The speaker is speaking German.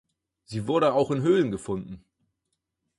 Sie wurde auch in Höhlen gefunden.